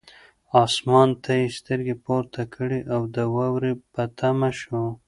اسمان ته یې سترګې پورته کړې او د واورې په تمه شو.